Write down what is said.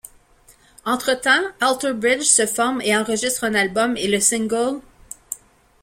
Entretemps, Alter Bridge se forme et enregistre un album et le single '.